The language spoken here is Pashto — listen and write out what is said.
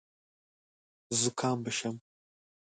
زکام به شم .